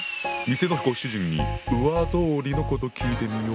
店のご主人に上草履のこと聞いてみよう。